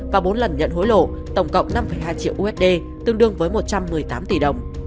và bốn lần nhận hối lộ tổng cộng năm hai triệu usd tương đương với một trăm một mươi tám tỷ đồng